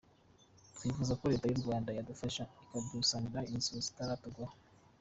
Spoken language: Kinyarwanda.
Twifuza ko Leta y’u Rwanda yadufasha ikadusanira inzu zitaratugwahoʺ.